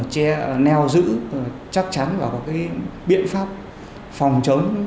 che neo giữ chắc chắn và có cái biện pháp phòng chống